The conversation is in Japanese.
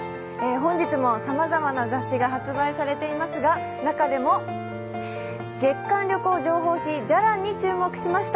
本日もさまざまな雑誌が発売されていますが、中でも月刊旅行情報誌「じゃらん」に注目しました。